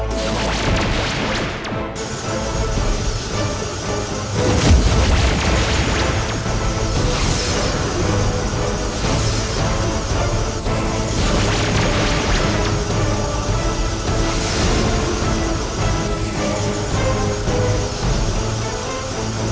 jangan lupa like share dan subscribe